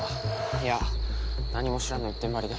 いや何も知らんの一点張りで。